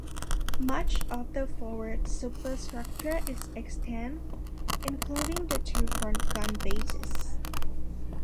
Much of the forward superstructure is extant, including the two front gun bases.